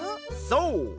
そう！